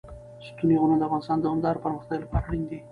ستوني غرونه د افغانستان د دوامداره پرمختګ لپاره اړین دي.